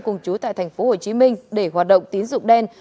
cùng chú tại tp hcm để hoạt động tín dụng đen